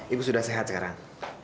ibu sudah sehat sekarang